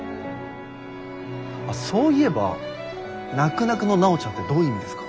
あっそういえば「なくなくの奈緒ちゃん」ってどういう意味ですか？